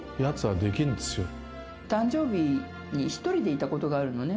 誕生日に１人でいたことがあるのね。